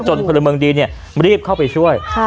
พลเมืองดีรีบเข้าไปช่วย